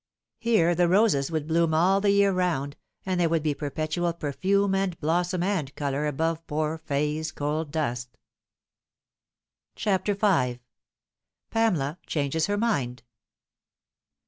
Here the roses would bloom all the year round, and there would be perpetual perfume and blossom and colour above poor Fay's cold dust. CHAPTER V. PAMELA CHANGES HER MIND.